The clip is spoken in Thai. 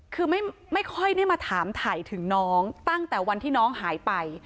คือไม่ค่อยได้มาถามถ่ายถึงน้องตั้งแต่วันที่น้องหายไป